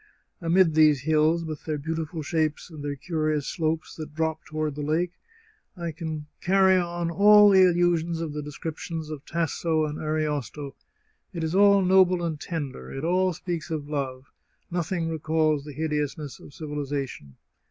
Amid these hills, with their beautiful shapes and their curious slopes that drop toward the lake, I can carry on all the illusions of the descriptions of Tasso and Ariosto. It is all noble and tender, it all speaks of love ; nothing re calls the hideousness of civilization.